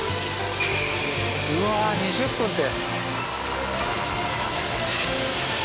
うわあ２０分って！